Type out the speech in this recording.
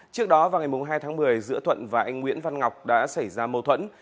trước đó vào ngày hai tháng một mươi giữa thuận và anh nguyễn văn ngọc đã xảy ra mâu thuẫn